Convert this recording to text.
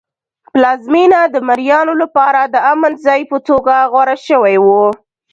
پلازمېنه د مریانو لپاره د امن ځای په توګه غوره شوی و.